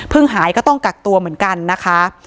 หายก็ต้องกักตัวเหมือนกันนะคะ